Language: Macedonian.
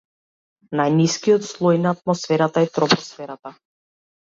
Најнискиот слој на атмосферата е тропосферата.